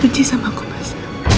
terima kasih sama kumas